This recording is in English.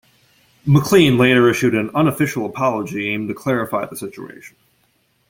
MacLean later issued an unofficial apology aimed to clarify the situation.